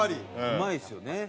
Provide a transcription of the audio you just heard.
うまいですよね。